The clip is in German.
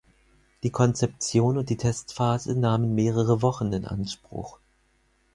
Die Konzeption und die Testphase nahmen mehrere Wochen in Anspruch.